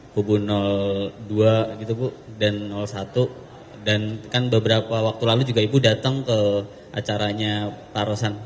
kubu dua gitu bu dan satu dan kan beberapa waktu lalu juga ibu datang ke acaranya pak rosan